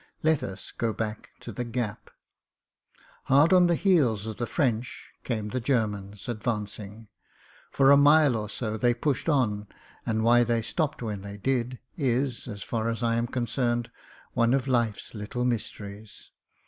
Let us go back to the gap. Hard on the heels of the French came the Germans advancing. For a mile or so they pushed on, and why they stopped when they did is — as far as I am concerned — one of life's little mysteries.